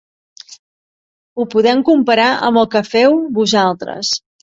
Ho podem comparar amb el que feu vosaltres.